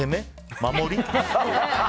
守り？